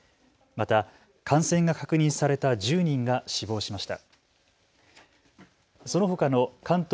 また感染が確認された１０人が死亡しました。